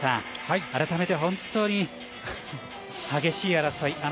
あらためて、本当に激しい争い。